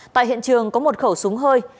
tại hiện trường có một khẩu súng hơi